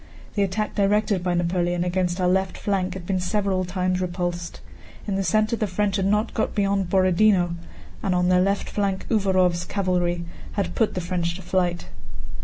The attack directed by Napoleon against our left flank had been several times repulsed. In the center the French had not got beyond Borodinó, and on their left flank Uvárov's cavalry had put the French to flight.